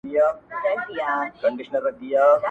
o نن مي خیال خمار خمار لکه خیام دی,